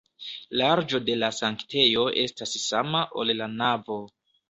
Larĝo de la sanktejo estas sama, ol la navo.